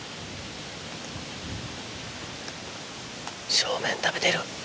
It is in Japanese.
正面食べてる。